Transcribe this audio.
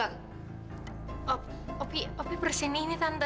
opi opi berus ini tante